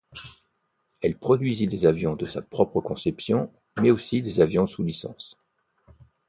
Elle produisit des avions de sa propre conception, mais aussi des avions sous licence.